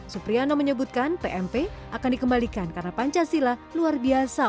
supriyano menyebutkan pmp akan dikembalikan karena pancasila luar biasa untuk pendidikan